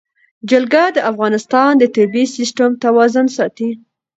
جلګه د افغانستان د طبعي سیسټم توازن ساتي.